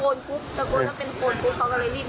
เขาเลยใช้มือเกี่ยวออก